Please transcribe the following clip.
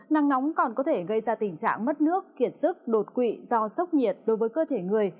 nắng nóng còn có thể gây ra tình trạng mất nước kiệt sức đột quỵ do sốc nhiệt đối với cơ thể người